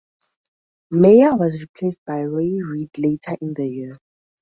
Meyer was replaced by Rory Read later in the year.